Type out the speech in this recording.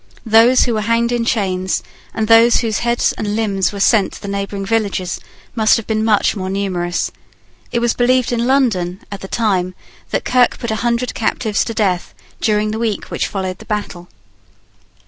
Those who were hanged in chains, and those whose heads and limbs were sent to the neighbouring villages, must have been much more numerous. It was believed in London, at the time, that Kirke put a hundred captives to death during the week which followed the battle.